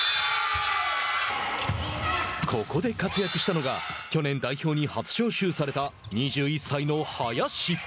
ここで活躍したのが去年、代表に初招集された２１歳の林。